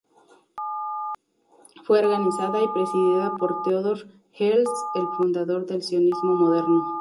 Fue organizada y presidida por Theodor Herzl, el fundador del sionismo moderno.